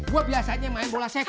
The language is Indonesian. gue biasanya main bola seko